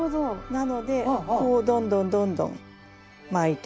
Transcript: なのでこうどんどんどんどん巻いてきて。